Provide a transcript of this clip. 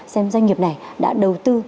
xem doanh nghiệp này đã đầu tư